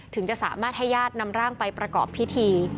จะสามารถให้ญาตินำร่างไปประกอบพิธี